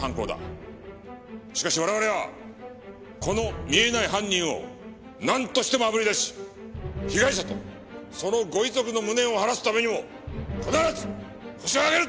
しかし我々はこの見えない犯人をなんとしてもあぶり出し被害者とそのご遺族の無念を晴らすためにも必ずホシを挙げる！